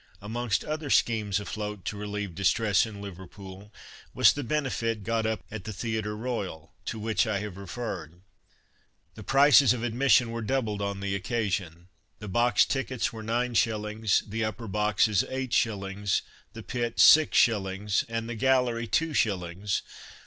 Amongst other schemes afloat to relieve distress in Liverpool was the benefit got up at the Theatre Royal, to which I have referred. The prices of admission were doubled on the occasion. The box tickets were 9s., the upper boxes, 8s., the pit, 6s., and the gallery, 2s.